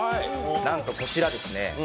なんとこちらですね